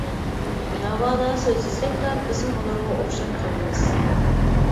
ناۋادا سۆزلىسەكلا بىزمۇ ئۇلارغا ئوخشاپ قالىمىز.